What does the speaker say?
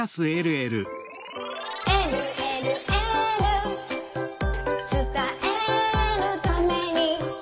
「えるえるエール」「つたえるために」